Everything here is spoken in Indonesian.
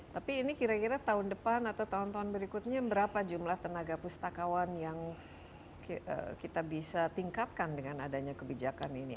tapi ini kira kira tahun depan atau tahun tahun berikutnya berapa jumlah tenaga pustakawan yang kita bisa tingkatkan dengan adanya kebijakan ini